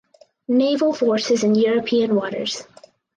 Naval Forces in European Waters.